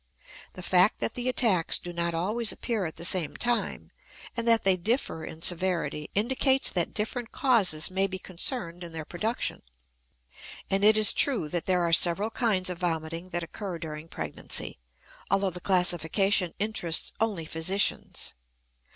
The fact that the attacks do not always appear at the same time, and that they differ in severity, indicates that different causes may be concerned in their production. And it is true that there are several kinds of vomiting that occur during pregnancy, although the classification interests only physicians.